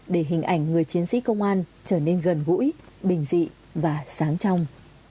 để hình ảnh người chiến sĩ công an trở nên gần gũi bình dị và sáng trong